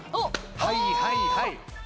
はいはいはい。